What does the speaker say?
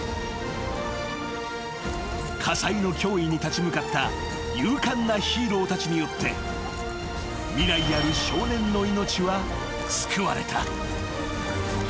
［火災の脅威に立ち向かった勇敢なヒーローたちによって未来ある少年の命は救われた］